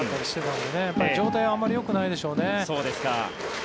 状態はあまりよくないでしょうね。